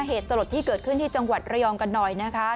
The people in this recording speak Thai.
เหตุสลดที่เกิดขึ้นที่จังหวัดระยองกันหน่อยนะคะ